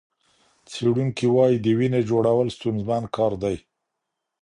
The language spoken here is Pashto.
څېړونکي وايي، د وینې جوړول ستونزمن کار دی.